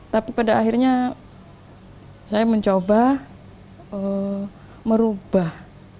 tapi pada akhirnya saya mencoba merubah